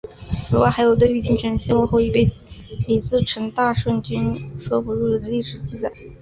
此外还有对于京城陷落后己身被李自成大顺军搜捕入狱的经历记载。